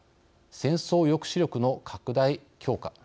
戦争抑止力の拡大・強化。